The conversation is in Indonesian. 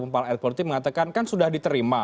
pemerintah politik mengatakan kan sudah diterima